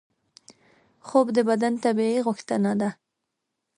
خوب د بدن طبیعي غوښتنه ده